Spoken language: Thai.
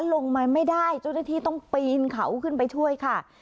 ลงมาไม่ได้เจ้าหน้าที่ต้องปีนเขาขึ้นไปช่วยค่ะ